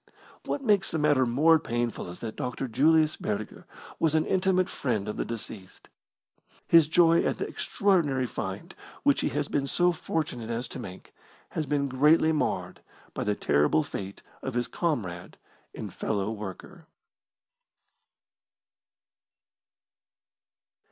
What makes the matter more painful is that Dr. Julius Burger was an intimate friend of the deceased. His joy at the extraordinary find which he has been so fortunate as to make has been greatly marred by the terrible fate of his comrade and fellow worker.